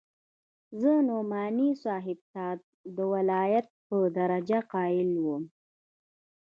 زه نعماني صاحب ته د ولايت په درجه قايل وم.